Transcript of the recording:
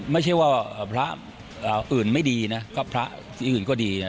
ไม่ใช่ว่าพระอื่นไม่ดีนะก็พระที่อื่นก็ดีนะ